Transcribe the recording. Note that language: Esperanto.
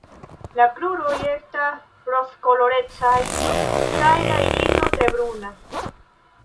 La kruroj estas rozkolorecaj kaj la iriso tre bruna.